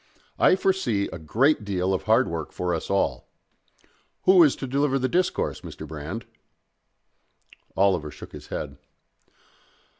I foresee a great deal of hard work for us all.... Who is to deliver the discourse, Mr. Brand?" Oliver shook his head.